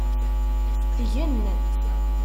Tgen.